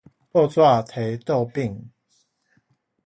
報紙提倒反